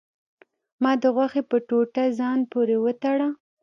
ما د غوښې په ټوټه ځان پورې وتړه.